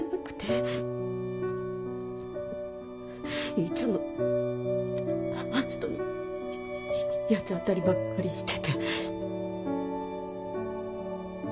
いつも篤人に八つ当たりばっかりしてて。